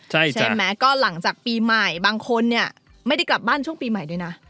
ใช่ไหมก็หลังจากปีใหม่บางคนเนี่ยไม่ได้กลับบ้านช่วงปีใหม่ด้วยนะ